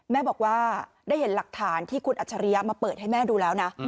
แม่บอกว่าได้เห็นหลักฐานที่คุณอัจฉริยะมาเปิดให้แม่ดูแล้วนะ